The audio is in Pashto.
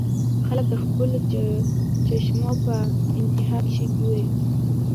خلک د خپلو چشمو پۀ انتها کښې ګوري -